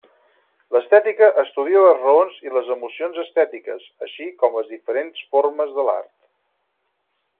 L'estètica estudia les raons i les emocions estètiques, així com les diferents formes de l'art.